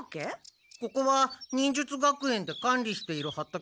ここは忍術学園で管理している畑なんだけど。